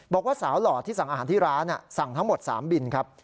บอกว่าสาวหล่อที่สั่งอาหารที่ร้านสั่งทั้งหมด๓บินครับ